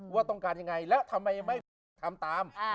ว่าต้องการยังไงและทำไมไม่ทำตาม